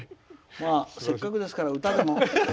せっかくですから、歌でも。